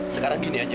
sekarang gini aja wi